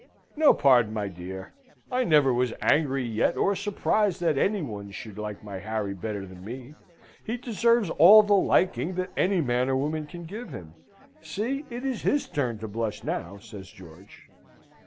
"No pardon, my dear! I never was angry yet or surprised that any one should like my Harry better than me. He deserves all the liking that any man or woman can give him. See, it is his turn to blush now," says George.